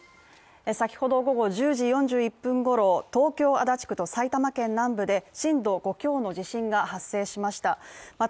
先ほど午後１０時４１分ごろ東京・足立区と埼玉県南部で震度５強の地震が発生しました。